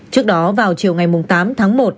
trước đó vào chiều tám tháng một